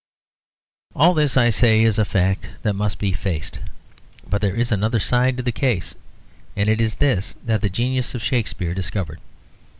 All this, I say, is a fact that must be faced, but there is another side to the case, and it is this that the genius of Shakespeare discovered.